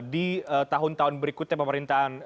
di tahun tahun berikutnya pemerintahan